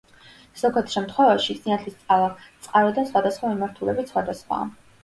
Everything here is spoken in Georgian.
ზოგად შემთხვევაში სინათლის ძალა წყაროდან სხვადასხვა მიმართულებით სხვადასხვაა.